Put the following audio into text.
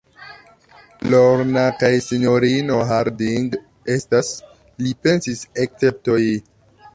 Lorna kaj sinjorino Harding estas, li pensis, esceptoj.